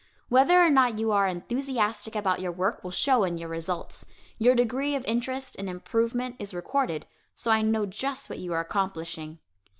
Whether or not you are enthusiastic about your work will show in your results. Your degree of interest and improvement is recorded, so I know just what you are accomplishing.